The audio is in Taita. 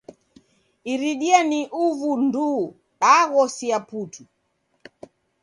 Iridia ni uvu nduu, daghosia putu.